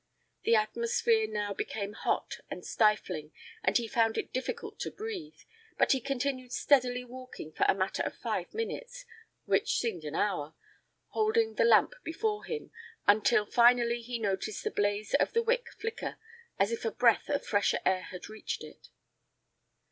The atmosphere now became hot and stifling and he found it difficult to breathe; but he continued steadily walking for a matter of five minutes which seemed an hour holding the lamp before him, until finally he noticed the blaze of the wick flicker, as if a breath of fresher air had reached it.